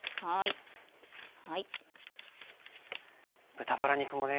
豚バラ肉もね